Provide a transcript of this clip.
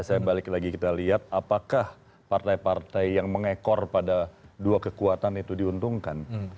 saya balik lagi kita lihat apakah partai partai yang mengekor pada dua kekuatan itu diuntungkan